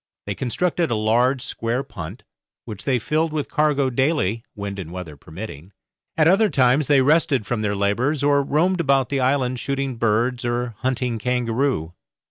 They constructed a large square punt, which they filled with cargo daily, wind and weather permitting; at other times they rested from their labours, or roamed about the island shooting birds or hunting kangaroo.